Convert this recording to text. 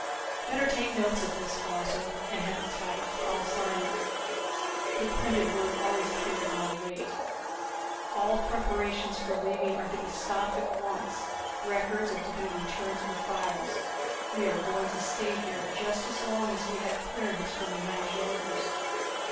"Better take notes of this, Faussel, and have it typed. I'll sign it." The printed word always carried more weight. "All preparations for leaving are to be stopped at once. Records are to be returned to the files. We are going to stay here just as long as we have clearance from the Nyjorders.